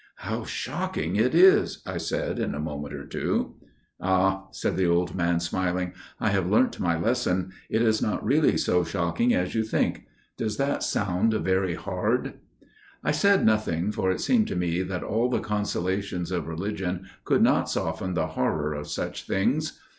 "How shocking it is!" I said in a moment or two. "Ah!" said the old man, smiling, "I have learnt my lesson. It is not really so shocking as you think. Does that sound very hard?" I said nothing, for it seemed to me that all the consolations of religion could not soften the horror of such things.